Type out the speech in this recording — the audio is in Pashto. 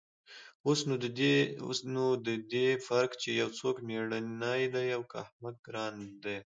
اوس نو د دې فرق چې يو څوک مېړنى دى که احمق گران ديه.